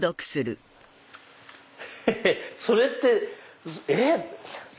それってえっ？